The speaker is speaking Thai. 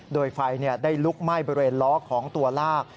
โดยไฟได้ลุกไหม้บริเวณล้อของตัวลาก